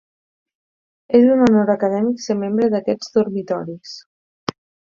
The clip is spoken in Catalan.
És un honor acadèmic ser membre d'aquests dormitoris.